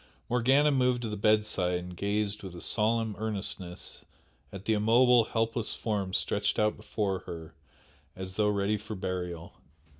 Morgana moved to the bedside and gazed with a solemn earnestness at the immobile, helpless form stretched out before her as though ready for burial.